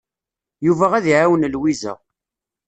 Yuba ad iɛawen Lwiza.